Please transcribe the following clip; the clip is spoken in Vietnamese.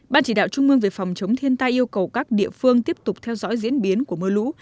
ban chỉ đạo trung mương về phòng chống thiên tai yêu cầu các địa phương tiếp tục theo dõi diễn biến của mưa lũ